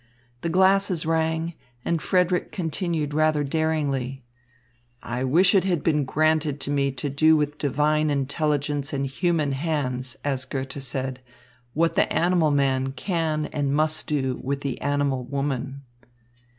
The glasses rang, and Frederick continued rather daringly: "I wish it had been granted me to do with divine intelligence and human hands, as Goethe said, what the animal man can and must do with the animal woman."